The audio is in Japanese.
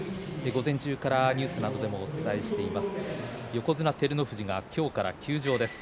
午前中からニュースなどでもお伝えしています。